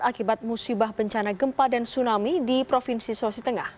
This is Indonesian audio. akibat musibah bencana gempa dan tsunami di provinsi sulawesi tengah